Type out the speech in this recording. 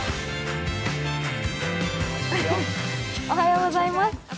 おはようございます。